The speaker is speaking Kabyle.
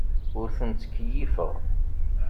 Ur ten-ttkeyyifeɣ.